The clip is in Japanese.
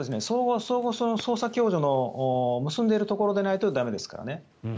捜査共助を結んでいるところじゃないと駄目ですからね。